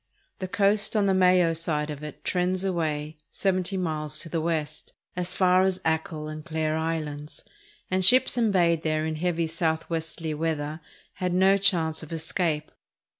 The coast on the Mayo side of it trends away seventy miles to the west, as far as Achill and Clare Islands, and sjiips embayed there in heavy southwesterly weather had no chance of escape.